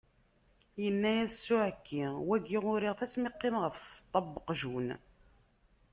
Yenna-as s uɛekki, wagi uriɣ-t asmi qqimeɣ ɣef tseṭṭa n weqjun.